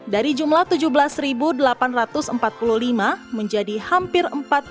dari jumlah tujuh belas delapan ratus empat puluh lima menjadi hampir empat puluh